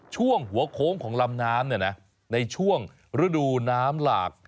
ช่วงหัวโขงของลำน้ำเนี่ยนะในช่วงฤดูน้ำหลาก